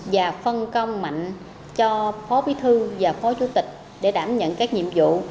và phân công mạnh cho phó bí thư và phó chủ tịch để đảm nhận các nhiệm vụ